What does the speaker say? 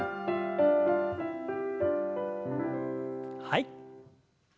はい。